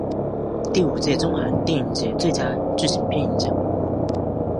第五届中韩电影节最佳剧情片银奖。